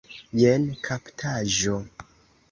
jen kaptaĵo!